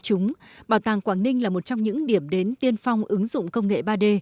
nói chung bảo tàng quảng ninh là một trong những điểm đến tiên phong ứng dụng công nghệ ba d